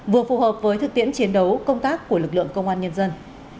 vừa phù hợp với thực tiễn chiến đấu công tác của lực lượng công an nhân dân